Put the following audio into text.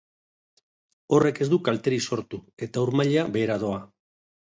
Horrek ez du kalterik sortu eta ur maila behera doa.